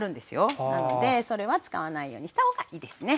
なのでそれは使わないようにしたほうがいいですね。